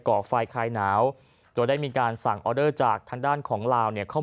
เกี่ยวกันเพราะตามตลาดการค้าชายแดนจุดผลปรนไทยลาว